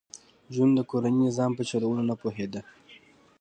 جون د کورني نظام په چلولو نه پوهېده